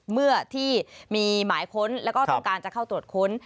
เมื่อที่มีหมายค้นแล้วก็ต้องการจะเข้าตรวจค้น